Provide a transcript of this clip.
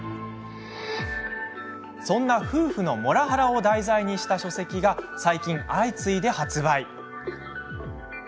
そんな夫婦のモラハラを題材にした書籍が最近、相次いで発売。